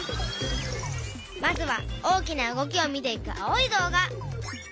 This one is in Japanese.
まずは大きな動きを見ていく青い動画。